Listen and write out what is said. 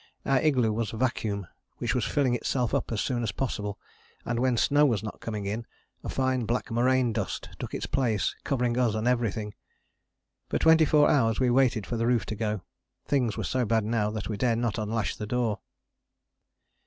Our igloo was a vacuum which was filling itself up as soon as possible: and when snow was not coming in a fine black moraine dust took its place, covering us and everything. For twenty four hours we waited for the roof to go: things were so bad now that we dare not unlash the door.